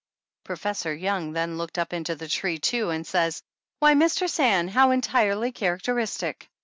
Professor Young then looked up into the tree too and says : "Why, Mistress Ann, how entire ly characteristic